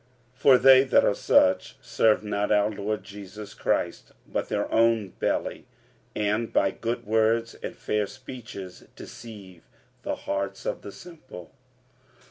45:016:018 For they that are such serve not our Lord Jesus Christ, but their own belly; and by good words and fair speeches deceive the hearts of the simple.